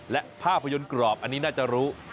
และภาพยนตร์กรอบอันนี้น่าจะรู้